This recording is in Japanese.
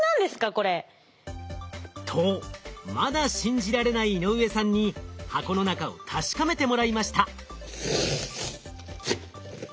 これ。とまだ信じられない井上さんに箱の中を確かめてもらいました。